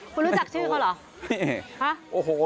คุณรู้จักชื่อเขาเหรอ